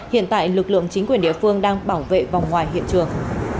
hiện tại lực lượng chính quyền địa phương đang bảo vệ vòng ngoài hiện trường